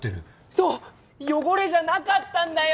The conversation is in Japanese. そう汚れじゃなかったんだよ。